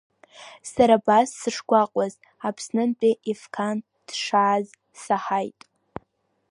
Сара абас сышгәаҟуаз, Аԥснынтәи Ефқан дшааз саҳаит.